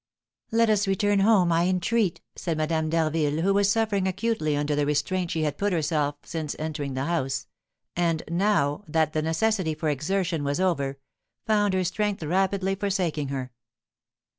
"Let us return home, I entreat!" said Madame d'Harville, who was suffering acutely under the restraint she had put upon herself since entering the house, and, now that the necessity for exertion was over, found her strength rapidly forsaking her.